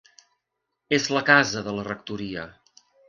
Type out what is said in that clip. És la casa de la rectoria.